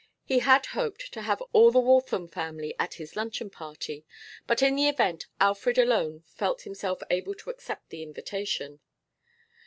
He had hoped to have all the Waltham family at his luncheon party, but in the event Alfred alone felt himself able to accept the invitation.